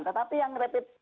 tetapi yang rapid